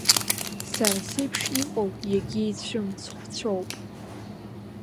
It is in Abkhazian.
Сара сеиԥш иҟоу иагьицәым-цхәцәоуп…